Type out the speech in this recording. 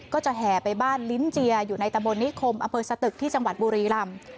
ก็จะแห่ไปบ้านลิ้นเจียอยู่ในตะบนนิคมอำเภอสตึกที่จังหวัดบุรีรำ